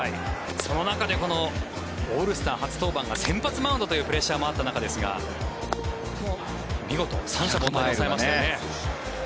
その中でオールスター初登板が先発マウンドというプレッシャーもあった中ですが見事、三者凡退に抑えました。